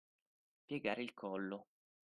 Piegare il collo.